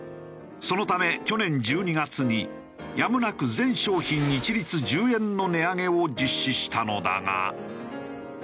そのため去年１２月にやむなく全商品一律１０円の値上げを実施したのだが。